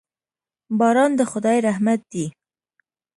باران د خداي رحمت دي.